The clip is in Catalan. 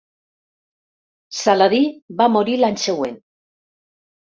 Saladí va morir l'any següent.